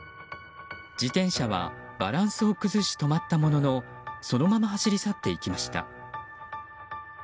自転車はバランスを崩し止まったもののそのまま走り去っていきました。